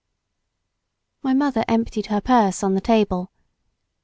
My mother emptied her purse on the table.